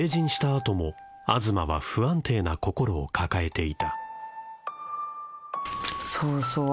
あとも東は不安定な心を抱えていたそうそう